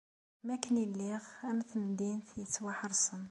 Mi akken i lliɣ am temdint yettwaḥerṣen.